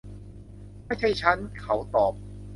ไม่ใช่ฉัน ! เขาตอบ